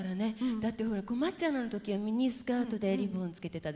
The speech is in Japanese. だってほら「こまっちゃうナ」の時はミニスカートでリボンつけてたでしょ。